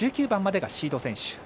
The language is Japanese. １９番までがシード選手。